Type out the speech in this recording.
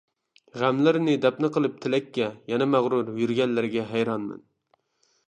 غەملىرىنى دەپنە قىلىپ تىلەككە، يەنە مەغرۇر يۈرگەنلەرگە ھەيرانمەن.